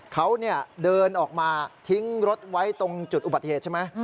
เขาเดินออกมาทิ้งรถไว้ตรงจุดอุบัติเหตุใช่ไหม